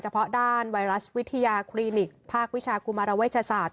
เพาะด้านไวรัสวิทยาคลินิกภาควิชากุมารเวชศาสตร์